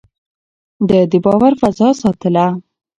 ده د باور فضا ساتله.